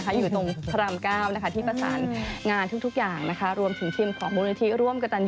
ขอบคุณแล้วเพื่อนที่อะไรละ